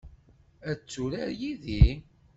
Ad turar yid-i?